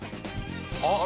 あっ。